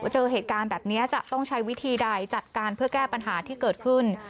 เจอเหตุการณ์แบบนี้จะต้องใช้วิธีใดจัดการเพื่อแก้ปัญหาที่เกิดขึ้น